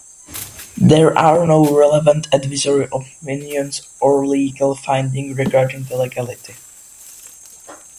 There are no relevant advisory opinions or legal finding regarding the legality.